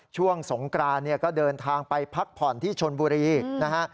ช่วงสงกรานเนี่ยก็เดินทางไปพักผ่อนที่ชนบุรีนะฮะ